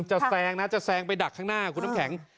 แซงนะจะแซงไปดักข้างหน้าคุณน้ำแข็ง